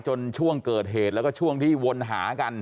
ช่วงเกิดเหตุแล้วก็ช่วงที่วนหากัน